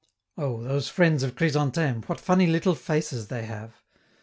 Oh, those friends of Chrysantheme, what funny little faces they have!